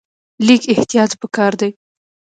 لږ احتیاط په کار دی.